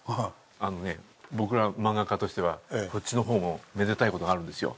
あのね僕ら漫画家としてはこっちの方もめでたい事があるんですよ。